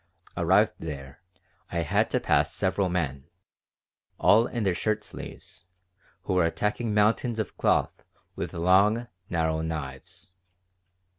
Arrived there, I had to pass several men, all in their shirt sleeves, who were attacking mountains of cloth with long, narrow knives.